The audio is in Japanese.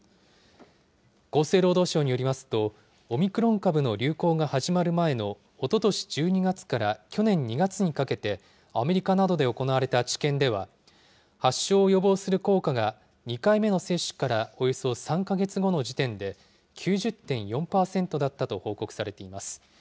厚生労働省によりますと、オミクロン株の流行が始まる前のおととし１２月から去年２月にかけて、アメリカなどで行われた治験では、発症を予防する効果が２回目の接種からおよそ３か月後の時点で、９０．４％だったと報告されています。